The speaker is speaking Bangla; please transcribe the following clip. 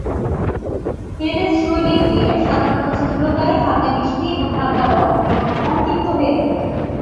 হেলেস-শৈলীর বিয়ার সাধারণত স্থূলকায়, হালকা মিষ্টি এবং হালকা রঙ এবং কম তিক্ত হয়ে থাকে।